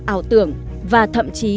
ảo tưởng và thậm chí